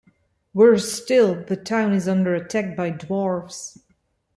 Worse still, the town is under attack by Dwarves.